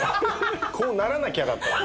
こうならなきゃだったのね。